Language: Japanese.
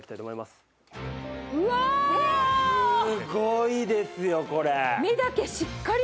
すごいですよこれ。